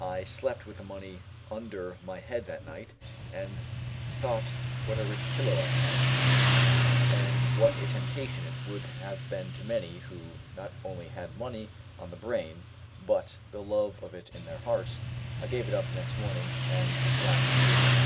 I slept with the money under my head that night, and thought what a rich pillow I had, and what a temptation it would have been to many who not only had money on the brain, but the love of it in their hearts, I gave it up the next morning, and was glad to be rid of it.